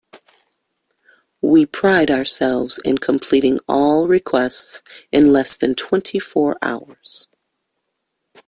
We pride ourselves in completing all requests in less than twenty four hours.